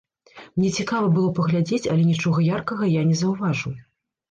Мне цікава было паглядзець, але нічога яркага я не заўважыў.